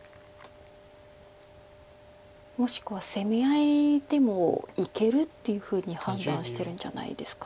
もしくは攻め合いでもいけるっていうふうに判断してるんじゃないですか。